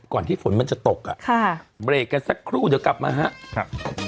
ที่ฝนมันจะตกอ่ะค่ะเบรกกันสักครู่เดี๋ยวกลับมาครับ